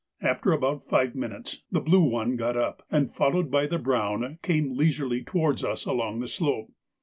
After about five minutes, the blue one got up, and, followed by the brown, came leisurely towards us along the slope.